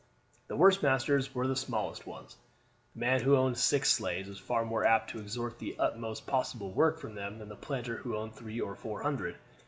The worst masters were the smallest ones; the man who owned six slaves was far more apt to extort the utmost possible work from them than the planter who owned three or four hundred.